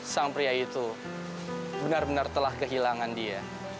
sang pria itu benar benar telah kehilangan dia